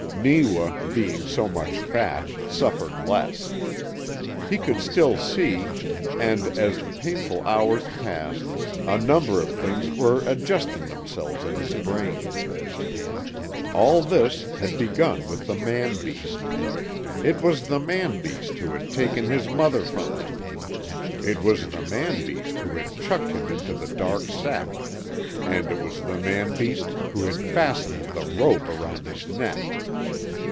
Neewa, being so much fat, suffered less. He could still see, and, as the painful hours passed, a number of things were adjusting themselves in his brain. All this had begun with the man beast. It was the man beast who had taken his mother from him. It was the man beast who had chucked him into the dark sack, and it was the man beast who had FASTENED THE ROPE AROUND HIS NECK.